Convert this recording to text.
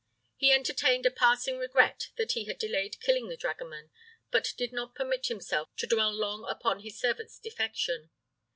He entertained a passing regret that he had delayed killing the dragoman, but did not permit himself to dwell long upon his servant's defection.